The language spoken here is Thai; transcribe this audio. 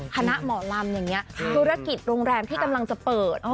คณะหมอลำอย่างนี้ธุรกิจโรงแรมที่กำลังจะเปิด